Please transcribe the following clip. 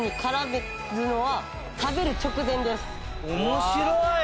面白い！